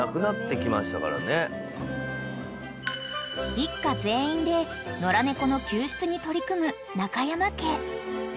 ［一家全員で野良猫の救出に取り組む中山家］